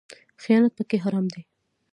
خیانت پکې حرام دی